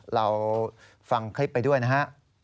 เราฟังคลิปไปด้วยนะฮะ